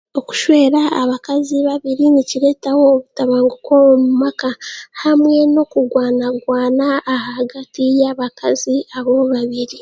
Okushwera abakazi babiri nikireetaho obutabanguko omu maka hamwe n'okugwanagwana ahagati yaabakazi abo babiri.